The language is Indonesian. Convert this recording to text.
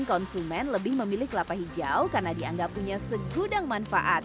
konsumen lebih memilih kelapa hijau karena dianggap punya segudang manfaat